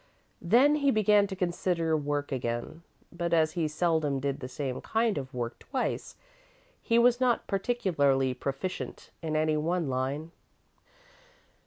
Then he began to consider work again, but as he seldom did the same kind of work twice, he was not particularly proficient in any one line.